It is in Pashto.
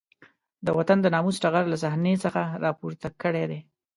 د وطن د ناموس ټغر له صحنې څخه راپورته کړی دی.